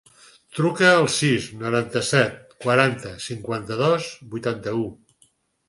Truca al sis, noranta-set, quaranta, cinquanta-dos, vuitanta-u.